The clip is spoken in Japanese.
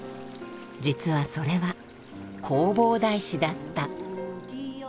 実はそれは弘法大師だった。